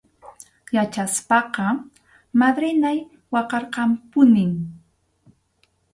Yachaspaqa madrinay waqarqanpunim.